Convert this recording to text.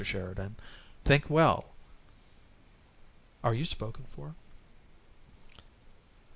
Sheridan, think well! Are you spoken for?"